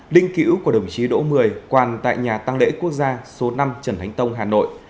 linh cữu của đồng chí đỗ mười quàn tại nhà tăng lễ quốc gia số năm trần thánh tông hà nội